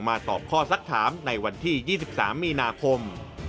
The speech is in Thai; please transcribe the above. ตอบข้อสักถามในวันที่๒๓มีนาคม